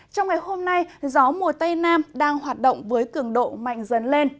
trong ngày hôm nay gió mùa tây nam đang hoạt động với cường độ mạnh dần lên